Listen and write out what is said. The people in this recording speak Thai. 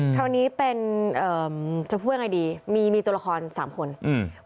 คราวนี้เป็นเอ่อจะพูดยังไงดีมีมีตัวละครสามคนอืม